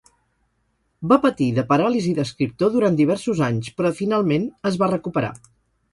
Va patir de paràlisi d'escriptor durant diversos anys, però finalment es va recuperar.